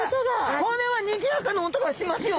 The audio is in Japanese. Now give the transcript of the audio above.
これはにぎやかな音がしますよ！